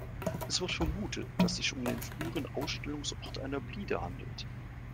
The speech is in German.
Es wird vermutet, dass es sich um den früheren Aufstellungsort einer Blide handelt.